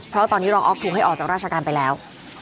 เพราะตอนนี้รองออฟถูกให้ออกจากราชการไปแล้ว